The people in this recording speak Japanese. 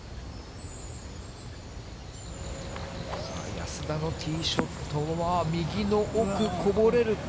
安田のティーショットは右の奥、こぼれるか。